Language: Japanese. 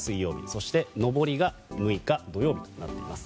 そして上りが６日土曜日となります。